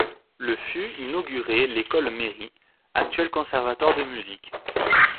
Le fut inaugurée l’école-mairie, actuel conservatoire de musique.